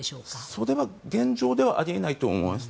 それは現状ではあり得ないと思います。